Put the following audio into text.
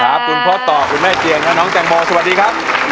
คุณพ่อต่อคุณแม่เจียงและน้องแตงโมสวัสดีครับ